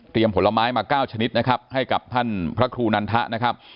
ผลไม้มา๙ชนิดนะครับให้กับท่านพระครูนันทะนะครับ